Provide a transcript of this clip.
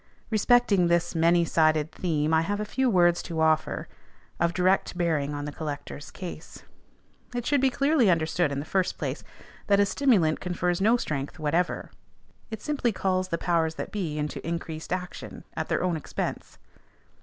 Respecting this many sided theme I have a few words to offer of direct bearing on the collector's case. It should be clearly understood, in the first place, that a stimulant confers no strength whatever: it simply calls the powers that be into increased action, at their own expense.